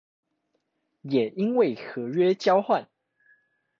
也因為合約交換